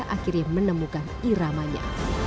akhirnya menemukan iramanya